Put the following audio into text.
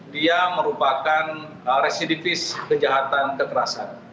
dia merupakan residivis kejahatan kekerasan